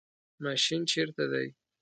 ماشین چیرته دی؟